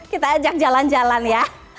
kita ajak jalan jalan ya